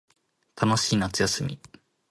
楽しい夏休み